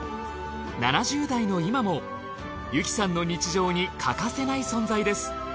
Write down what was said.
７０代の今も由紀さんの日常に欠かせない存在です。